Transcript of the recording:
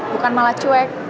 bukan malah cuek